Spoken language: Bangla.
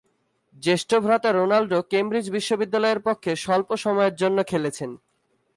জ্যেষ্ঠ ভ্রাতা রোল্যান্ড কেমব্রিজ বিশ্ববিদ্যালয়ের পক্ষে স্বল্প সময়ের জন্যে খেলেছেন।